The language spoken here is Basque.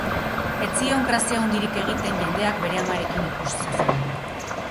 Ez zion grazia handirik egiten jendeak bere amarekin ikus zezan.